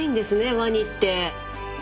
ワニって。